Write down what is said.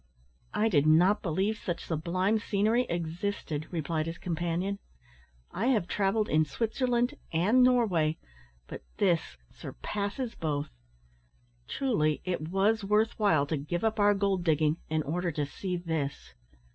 "I did not believe such sublime scenery existed," replied his companion. "I have travelled in Switzerland and Norway, but this surpasses both. Truly it was worth while to give up our gold digging in order to see this."